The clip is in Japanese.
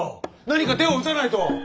何か手を打たないと。